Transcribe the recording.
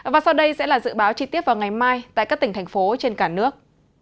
và sau đây sẽ là dự báo chi tiết vào ngày mai tại các tỉnh thành phố trên cả nước